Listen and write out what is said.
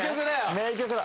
名曲だ